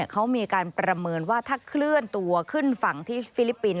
เขามีการประเมินว่าถ้าเคลื่อนตัวขึ้นฝั่งที่ฟิลิปปินส